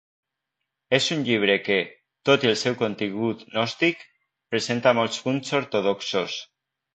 És un llibre que, tot i el seu contingut gnòstic, presenta molts punts ortodoxos.